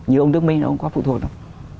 như ông đức minh ông không có phụ thuộc đâu